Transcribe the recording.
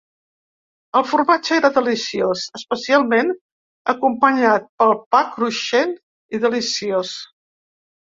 El formatge era deliciós, especialment acompanyat pel pa cruixent i deliciós.